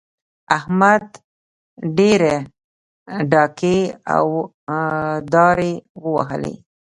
احمد ډېرې ډاکې او داړې ووهلې.